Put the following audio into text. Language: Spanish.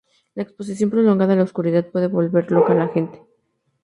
La exposición prolongada a la oscuridad puede volver loca a la gente.